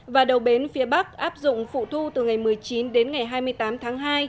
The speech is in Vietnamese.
và đầu bến phía bắc áp dụng phụ thu từ ngày một mươi chín đến ngày hai mươi tám tháng hai